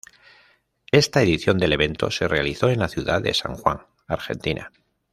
Esta edición del evento se realizó en la Ciudad de San Juan, Argentina.